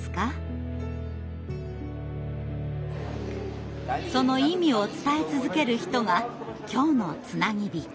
その意味を伝え続ける人が今日の「つなぎびと」。